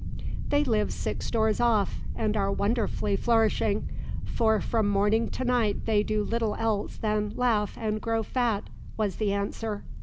"They live six doors off, and are wonderfully flourishing, for from morning to night they do little else than `laugh and grow fat,'" was the answer.